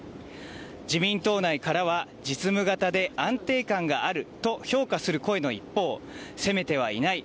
自民党内からは実務型で安定感があると評価する声の一方攻めてはいない。